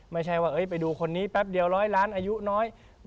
ไม่ใช่ว่าไปดูคนนี้แป๊บเดียวร้อยล้านอายุน้อย